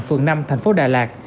phường năm tp đà lạt